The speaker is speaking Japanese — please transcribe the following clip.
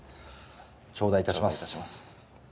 頂戴いたします。